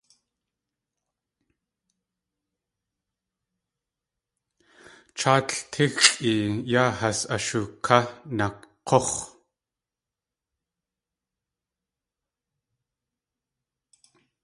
Cháatl tíxʼi yaa has a shuká nak̲úx̲.